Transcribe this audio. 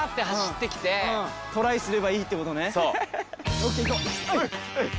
ＯＫ！いこう！